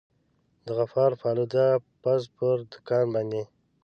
د غفار پالوده پز پر دوکان باندي.